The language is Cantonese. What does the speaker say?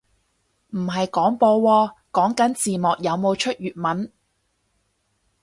唔係廣播喎，講緊字幕有冇出粵文